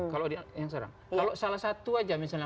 kalau salah satu saja misalnya